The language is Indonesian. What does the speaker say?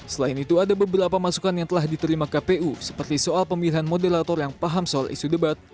selain itu ada beberapa masukan yang telah diterima kpu seperti soal pemilihan modelator yang paham soal isu debat